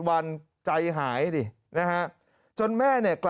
น้องเสียแล้วลูก